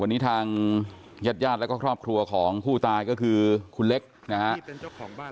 วันนี้ทางญาติญาติแล้วก็ครอบครัวของผู้ตายก็คือคุณเล็กนะครับ